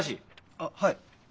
あっはい。